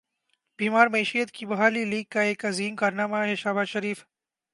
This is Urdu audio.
بیمار معیشت کی بحالی لیگ کا عظیم کارنامہ ہے شہباز شریف